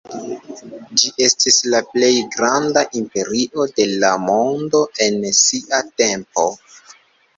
Ĝi estis la plej granda imperio de la mondo en sia tempo.